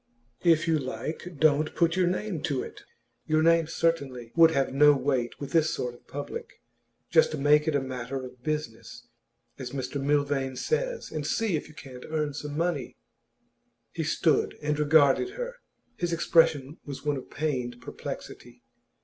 If you like, don't put your name to it; your name certainly would have no weight with this sort of public. Just make it a matter of business, as Mr Milvain says, and see if you can't earn some money.' He stood and regarded her. His expression was one of pained perplexity.